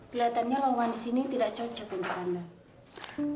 kelihatannya lawangan di sini tidak cocok untuk anda